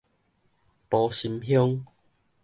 埔心鄉